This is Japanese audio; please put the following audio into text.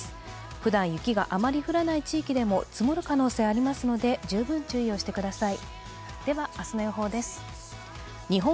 ふだん雪があまり降らない地域でも積もる可能性がありますので、十分注意をしてください。